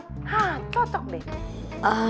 hah cocok deh